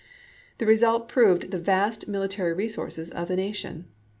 The result proved the vast military resources of the nation.